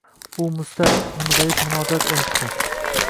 U mustar, mung‘ayib munojot aytdi.